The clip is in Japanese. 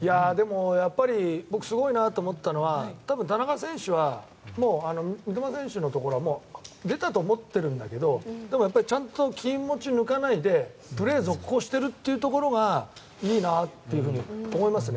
僕、すごいなと思ったのは多分、田中選手は三笘選手のところは出たと思ってるんだけどでも、やっぱりちゃんと気持ちを抜かないでプレーを続行しているところがいいなと思いますね。